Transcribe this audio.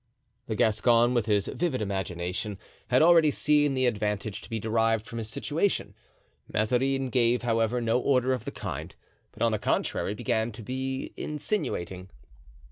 The Gascon, with his vivid imagination, had already seen the advantage to be derived from his situation. Mazarin gave, however, no order of the kind, but on the contrary began to be insinuating.